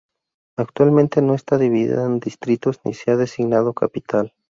Actualmente no está dividida en distritos ni se ha designado capital.